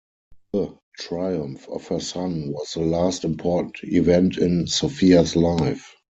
The triumph of her son was the last important event in Sophia's life.